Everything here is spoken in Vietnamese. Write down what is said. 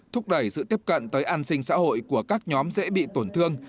thúc đẩy sự tiếp cận tới an sinh xã hội của các nhóm dễ bị tổn thương